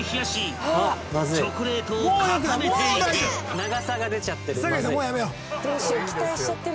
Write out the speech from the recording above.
長さが出ちゃってる。